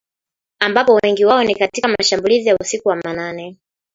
ambapo wengi wao ni katika mashambulizi ya usiku wa manane